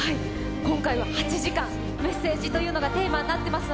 今回は８時間「メッセージ」というのがテーマになっています。